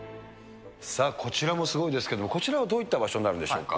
さあ、こちらもすごいですけど、こちらはどういった場所になるんでしょうか。